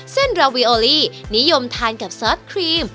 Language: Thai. ราวีโอลี่นิยมทานกับซอสครีม